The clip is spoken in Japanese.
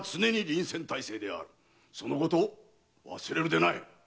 そのこと忘れるでない。